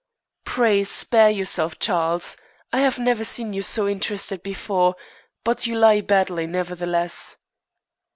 "Pray spare yourself, Charles. I have never seen you so interested before, but you lie badly, nevertheless."